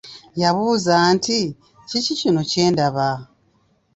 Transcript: Yabuuza nti, kiki kino kyendaba?